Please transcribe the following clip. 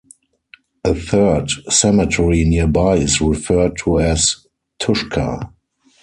A third cemetery nearby is referred to as Tushka.